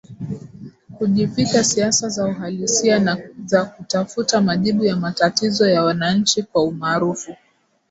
kujivika siasa za uhalisia na za kutafuta majibu ya matatizo ya wananchi Kwa umaarufu